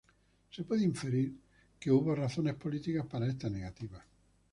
Se puede inferir que hubo razones políticas para esta negativa.